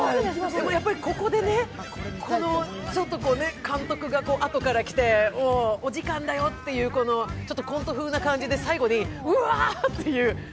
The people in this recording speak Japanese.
でもやっぱり、ここで監督があとから来てお時間だよというコント風な感じで最後に「うわ！」っていう。